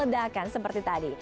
berbedakan seperti tadi